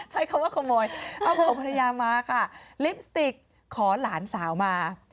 ใช้คำว่าขโมยเอาของภรรยามาค่ะลิปสติกขอหลานสาวมา